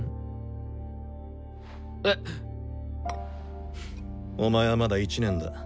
えっ？お前はまだ１年だ。